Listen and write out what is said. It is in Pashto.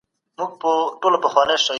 څوک د ټولنپوهنې پلار دی؟